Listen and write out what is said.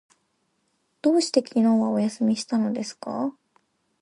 どうして昨日はお休みしたのですか？